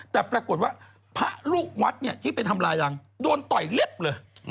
แต่ปรากฏว่าพระลูกวัดที่ไปทำลายรังโดนต่อยเล็บเลย